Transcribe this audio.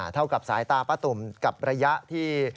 เท่ากับสายตาป้าตุ่มกับระยะที่